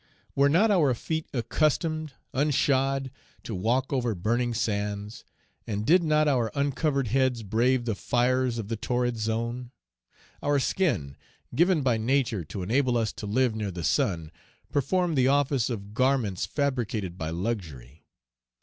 Were not our feet accustomed, unshod, to walk over burning sands; and did not our uncovered heads brave the fires of the torrid zone? Our skin, given by Nature to enable us to live near the sun, performed the office of garments fabricated by luxury.